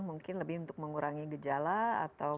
mungkin lebih untuk mengurangi gejala atau